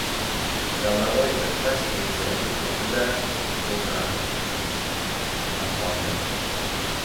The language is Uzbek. Dalavoy birpas bezrayib turdi-da, g‘udranib so‘kindi. Arqonni